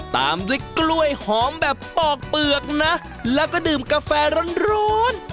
ตามด้วยกล้วยหอมแบบปอกเปลือกนะแล้วก็ดื่มกาแฟร้อน